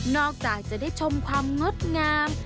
จากจะได้ชมความงดงาม